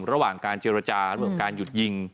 ระหว่างการเจรจาเรื่องการหยุดยิง